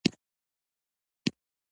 مالاوي متل وایي ارامه اوبه هم خطرناک دي.